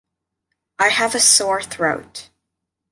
I have a sore throat.